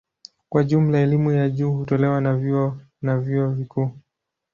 Kwa jumla elimu ya juu hutolewa na vyuo na vyuo vikuu.